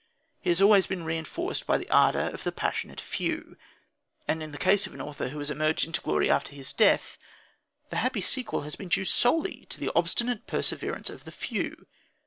He has always been reinforced by the ardour of the passionate few. And in the case of an author who has emerged into glory after his death the happy sequel has been due solely to the obstinate perseverance of the few.